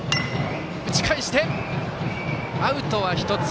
アウトは１つ。